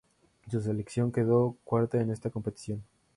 Su selección quedó cuarta en esa competición.